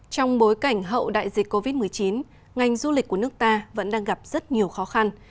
trong bối cảnh hậu đại dịch covid một mươi chín ngành du lịch của nước ta vẫn đang gặp rất nhiều khó khăn